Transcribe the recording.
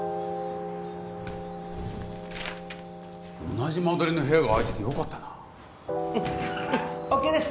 同じ間取りの部屋が空いててよかったなうんうんＯＫです